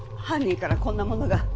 犯人からこんなものが。